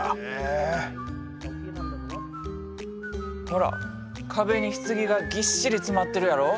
ほら壁に棺がぎっしり詰まってるやろ。